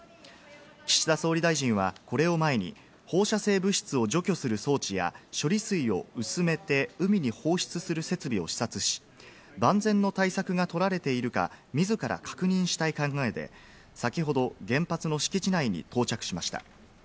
岸田総理大臣はこれを前に、放射性物質を除去する装置や処理水を薄めて海に放出する設備を視察し、万全の対策が取られているか、自ら確認したい考えで、先ほど、原発の敷地内に到着しました。